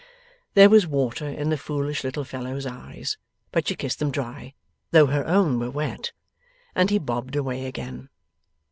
There was water in the foolish little fellow's eyes, but she kissed them dry (though her own were wet), and he bobbed away again.